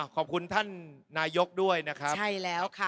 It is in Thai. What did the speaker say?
ขอบคุณท่านนายกด้วยนะครับ